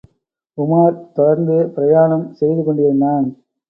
உமார் தொடர்ந்து பிரயாணம் செய்து கொண்டிருந்தான்.